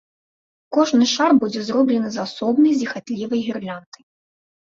Кожны шар будзе зроблены з асобнай зіхатлівай гірлянды.